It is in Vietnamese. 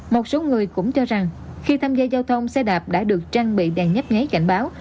một số người cũng cho rằng khi tham gia giao thông xe đạp đã được trang bị đèn nhấp nháy cảnh báo